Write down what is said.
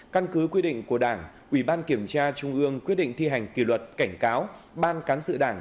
căn cứ quy định của đảng ủy ban kiểm tra trung ương quyết định thi hành kỷ luật cảnh cáo ban cán sự đảng